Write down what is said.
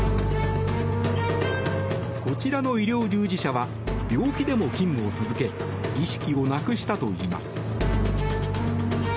こちらの医療従事者は病気でも勤務を続け意識をなくしたといいます。